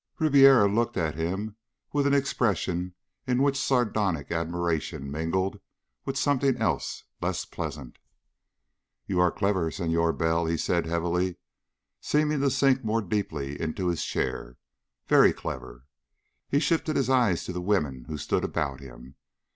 Ribiera looked at him with an expression in which a sardonic admiration mingled with something else less pleasant. "You are clever, Senhor Bell," he said heavily, seeming to sink more deeply into his chair. "Very clever." He shifted his eyes to the women who stood about him.